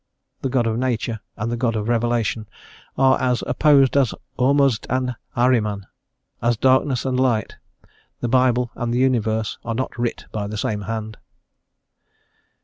The God of Nature and the God of Revelation are as opposed as Ormuzd and Ahriman, as darkness and light; the Bible and the universe are not writ by the same hand.